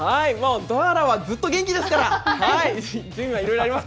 ドアラはずっと元気ですから、はい。